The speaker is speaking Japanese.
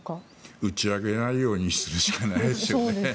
打ち上げないようにするしかないですよね。